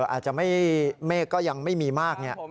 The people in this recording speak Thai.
อาจจะไม่เมฆก็ยังไม่มีมากเนี่ย